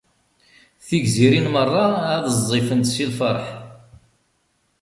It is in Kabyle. Tigzirin meṛṛa ad ẓẓifent si lferḥ.